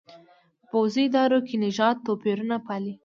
په پوځي ادارو کې نژادي توپېرونه پالي.